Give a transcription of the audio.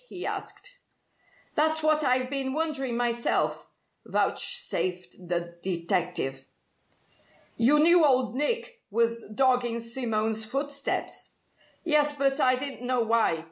he asked. "That's what I've been wondering myself," vouchsafed the detective. "You knew Old Nick was dogging Simone's footsteps?" "Yes, but I didn't know why.